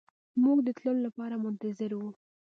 موږ د تللو لپاره منتظر وو.